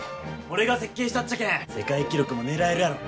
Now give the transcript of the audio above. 俺が設計したっちゃけん世界記録も狙えるやろ。